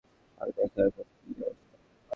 আর দেখো এখন কী অবস্থা!